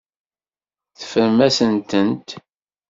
Teffrem-asent-tent.